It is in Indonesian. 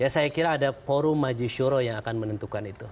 ya saya kira ada forum majlis syuro yang akan menentukan itu